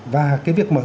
và cái việc mở rộng